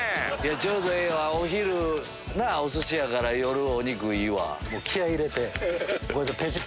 ちょうどええわお昼すしやから夜お肉いいわ。